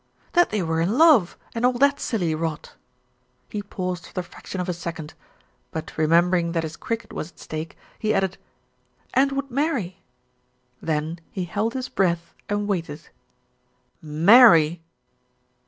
"That they were in love and all that silly rot," he paused for the fraction of a second; but remembering that his cricket was at stake, added, "and would marry." Then he held his breath and waited. "Marry!"